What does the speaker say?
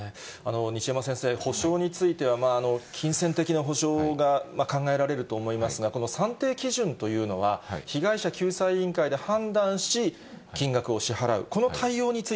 西山先生、補償については、金銭的な補償が考えられると思いますが、この算定基準というのは、被害者救済委員会で判断し、金額を支払う。